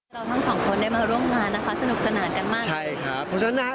เราทั้งสองคนได้มาร่วมงานนะคะสนุกสนานกันมากใช่ครับเพราะฉะนั้นนะครับ